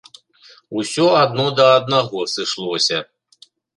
Усё адно да аднаго сышлося.